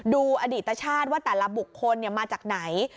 ดูอดีตชาติว่าแต่ละบุคคลมาจากไหน